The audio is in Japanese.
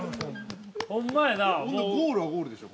ゴールはゴールでしょう。